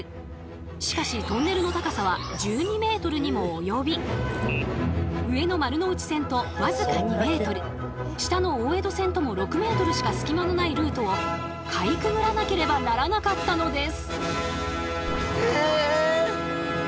しかしトンネルの高さは１２ｍにも及び上の丸ノ内線と僅か２ｍ下の大江戸線とも６ｍしか隙間のないルートをかいくぐらなければならなかったのです。